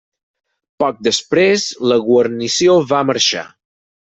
Poc després la guarnició va marxar.